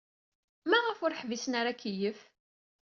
Maɣef ur ḥbisen ara akeyyef?